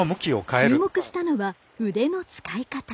注目したのは腕の使い方。